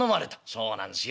「そうなんすよ。